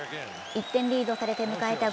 １点リードされて迎えた